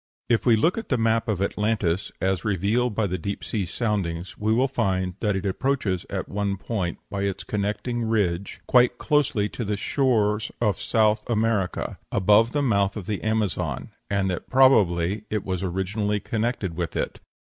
If we look at the map of Atlantis, as revealed by the deep sea soundings, we will find that it approaches at one point, by its connecting ridge, quite closely to the shore of South America, above the mouth of the Amazon, and that probably it was originally connected with it.